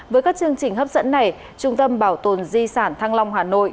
với các chương trình hấp dẫn này trung tâm bảo tồn di sản thăng long hà nội